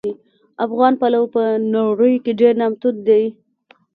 افغان پلو په نړۍ کې ډېر نامتو دي